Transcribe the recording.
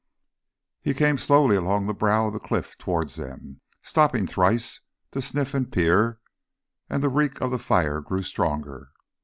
He came slowly along the brow of the cliff towards them, stopping thrice to sniff and peer, and the reek of the fire grew stronger.